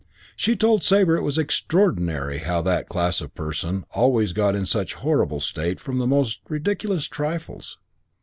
She told Sabre it was extraordinary how "that class of person" always got in such a horrible state from the most ridiculous trifles.